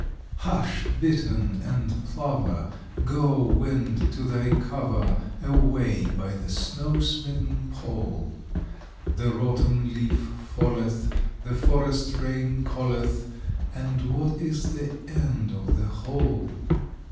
Hush, bittern and plover! Go, wind, to thy cover Away by the snow smitten Pole! The rotten leaf falleth, the forest rain calleth; And what is the end of the whole?